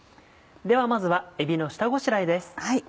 ではまずはえびの下ごしらえです。